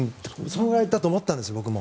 そのぐらいだと思ったんです、僕も。